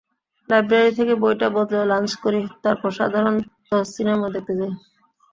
Library থেকে বইটা বদলে লাঞ্চ করি, তারপর সাধারণত সিনেমা দেখতে যাই।